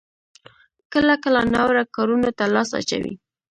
کله کله ناوړه کارونو ته لاس اچوي.